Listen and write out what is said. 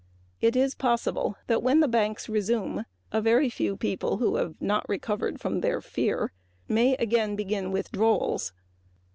It is possible that when the banks resume a very few people who have not recovered from their fear may again begin withdrawals.